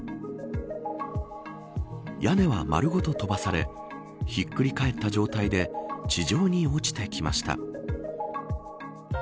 屋根は丸ごと飛ばされひっくり返った状態で地上に落ちてきました。